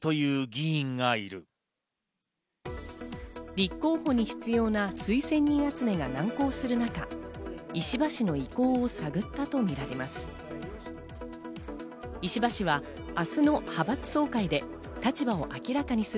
立候補に必要な推薦人集めが難航する中、石破氏の意向を探ったとみられます。